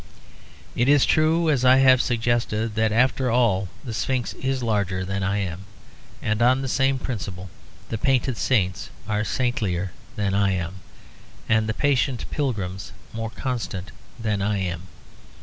It is true, as I have suggested, that after all the Sphinx is larger than I am; and on the same principle the painted saints are saintlier than I am, and the patient pilgrims more constant than I am.